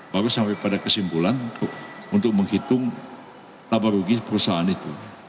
baru sampai pada kesimpulan untuk menghitung apa rugi perusahaan itu